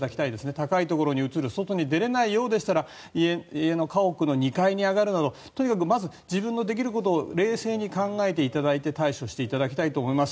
高いところに移る外に出れないようでしたら家の家屋の２階に上がるなどとにかくまず自分のできることを冷静に考えていただいて対処していただきたいと思います。